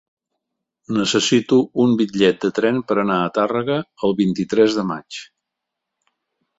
Necessito un bitllet de tren per anar a Tàrrega el vint-i-tres de maig.